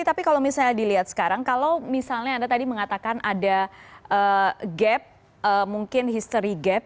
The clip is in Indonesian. tapi kalau misalnya dilihat sekarang kalau misalnya anda tadi mengatakan ada gap mungkin history gap